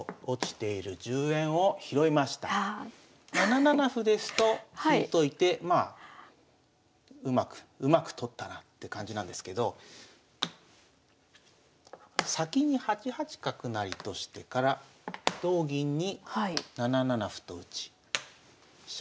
７七歩ですと引いといてまあうまく取ったなって感じなんですけど先に８八角成としてから同銀に７七歩と打ち飛車